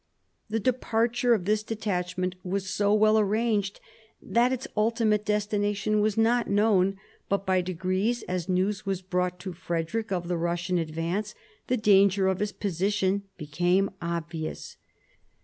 The departure of this detachment was so well arranged that its ultimate destination was not known; but by degrees, as news was brought to Frederick of the Russian advance, the danger of his position became obvious.